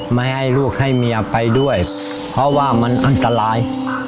ไม่ให้ลูกให้เมียไปด้วยเพราะว่ามันอันตราย